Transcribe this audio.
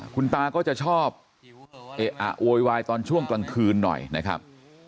คุณตาก็จะชอบโวยวายตอนช่วงกลางคืนหน่อยนะครับ